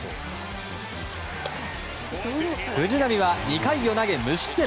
藤浪は２回を投げ無失点。